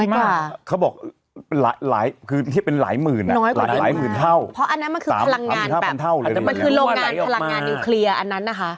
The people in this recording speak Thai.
มันคือโรงงานพลังงานนิวเคลียร์อันนั้นนะคะ